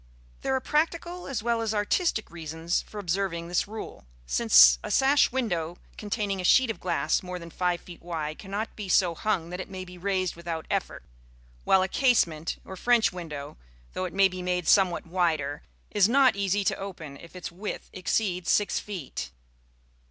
There are practical as well as artistic reasons for observing this rule, since a sash window containing a sheet of glass more than five feet wide cannot be so hung that it may be raised without effort; while a casement, or French window, though it may be made somewhat wider, is not easy to open if its width exceeds six feet.